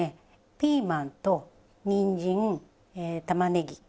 ピーマンとにんじん玉ねぎ